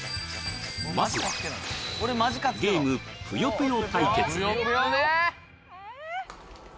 まずはゲーム「ぷよぷよ」対決